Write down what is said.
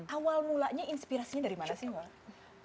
awal mulanya inspirasinya dari mana sih mbak